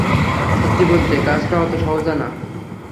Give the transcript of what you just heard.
সত্যি বলতে, কাজটা অতো সোজা না।